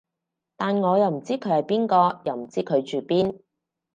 但我又唔知佢係邊個，又唔知佢住邊